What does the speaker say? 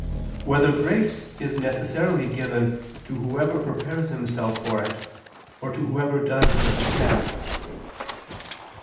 3] Whether Grace Is Necessarily Given to Whoever Prepares Himself for It, or to Whoever Does What He Can?